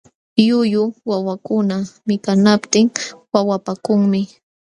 Llullu wawakuna mikanaptin wawapaakunmi.